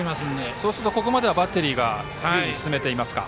そうするとここまではバッテリーが有利に進めていると。